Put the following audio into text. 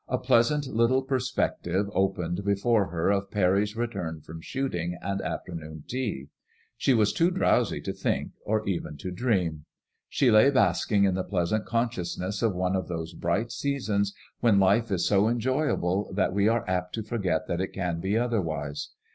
A pleasant little perspective opened before her of Parry's return from shoot ing and afternoon tea. She was too drowsy to think or even to dream. She lay basking in the pleasant consciousness of one of those bright seasons when life is so enjoyable that we are apt to forget that it can be otherwise.